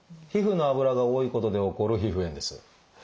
皮膚の脂が多いことで起こる皮膚炎です。